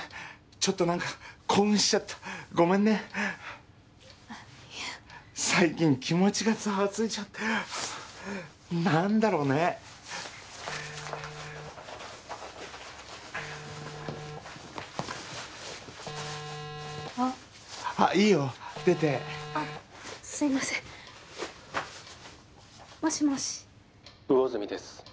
ちょっと何か興奮しちゃったごめんねいえ最近気持ちがざわついちゃって何だろうねあっあっいいよ出てあっすいませんもしもし☎魚住です